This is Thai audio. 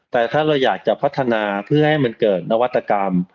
แต่ถ้าเราอยากจะพัฒนาเพื่อให้มันเกิดนวัตกรรม